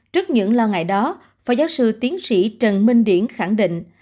trước những lo ngại đó phó giáo sư tiến sĩ trần minh điển khẳng định